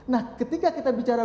nah ketika kita bicara